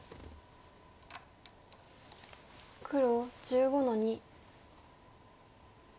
黒１５の二。